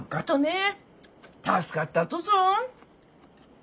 助かったとぞ。